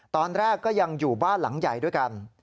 ตอนแรกก็ยังอยู่บ้านหลังใหญ่ด้วยกัน